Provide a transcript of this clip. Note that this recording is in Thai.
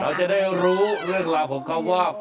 เราจะได้รู้เรื่องราวของเขาว่า